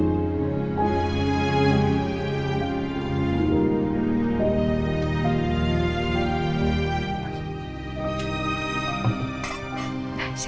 kau mau minum obat ya